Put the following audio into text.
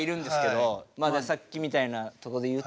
まあねさっきみたいなとこでいうと。